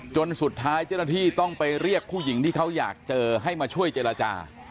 จนสุดท้ายเจ้าหน้าที่ต้องไปเรียกผู้หญิงที่เขาอยากเจอให้มาช่วยเจรจา